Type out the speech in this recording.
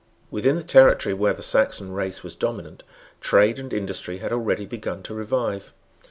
Within the territory where the Saxon race was dominant, trade and industry had already begun to revive.